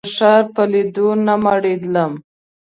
د ښار په لیدو نه مړېدم.